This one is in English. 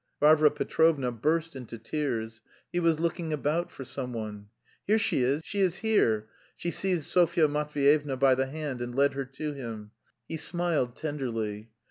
Varvara Petrovna burst into tears. He was looking about for someone. "Here she is, she is here!" She seized Sofya Matveyevna by the hand and led her to him. He smiled tenderly.